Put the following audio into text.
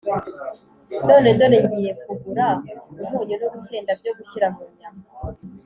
none dore ngiye kugura umunyu n’urusenda byo gushyira mu nyama